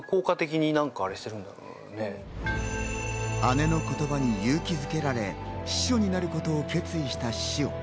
姉の言葉に勇気づけられ、司書になることを決意したシオ。